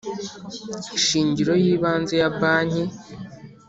Shingiro y ibanze ya banki